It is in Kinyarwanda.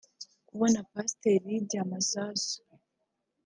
Kubona Pastor Lydia Masasu